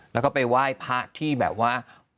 แล้วก็ไปไหว้พระที่แบบว่า